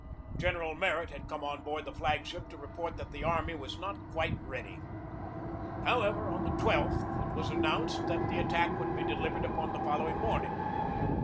General Merritt had come on board the flag ship to report that the army was not quite ready. However, on the I2th it was announced that the attack would be delivered upon the following morn ing.